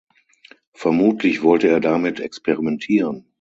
Vermutlich wollte er damit experimentieren.